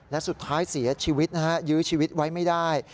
และสุดท้ายเสียชีวิตนะฮะยื้อชีวิตไว้ไม่ได้